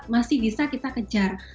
masih bisa kita kejar